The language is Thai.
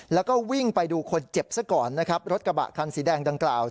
แล้วก็วิ่งไปดูคนเจ็บซะก่อนนะครับรถกระบะคันสีแดงดังกล่าว